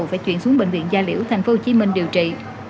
phải chuyển xuống bệnh viện gia liễu tp hcm điều trị